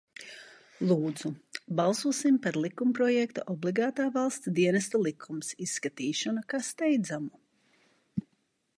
"Lūdzu, balsosim par likumprojekta "Obligātā valsts dienesta likums" izskatīšanu kā steidzamu."